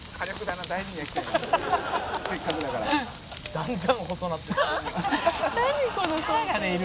「だんだん細なってる」